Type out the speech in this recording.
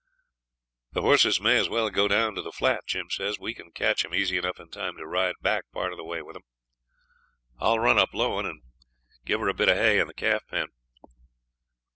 'The horses may as well go down to the flat,' Jim says; 'we can catch them easy enough in time to ride back part of the way with them. I'll run up Lowan, and give her a bit of hay in the calf pen.'